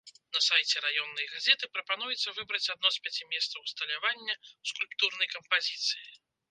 На сайце раённай газеты прапануецца выбраць адно з пяці месцаў усталявання скульптурнай кампазіцыі.